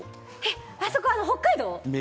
あそこ、北海道？